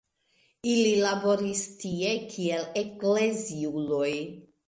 Ili laboris tie kiel ekleziuloj.